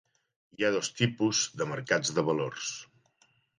Hi ha dos tipus de mercats de valors.